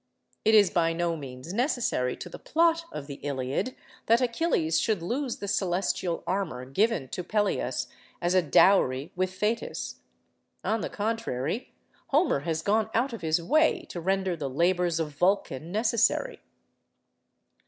It is by no means necessary to the plot of the 'Iliad' that Achilles should lose the celestial armour given to Peleus as a dowry with Thetis. On the contrary, Homer has gone out of his way to render the labours of Vulcan necessary.